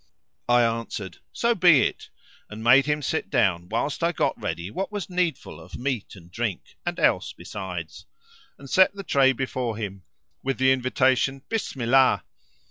I answered, "So be it," and made him sit down whilst I got ready what was needful of meat and drink and else besides; and set the tray before him, with the invitation "Bismillah"!